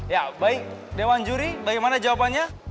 ya baik dewan juri bagaimana jawabannya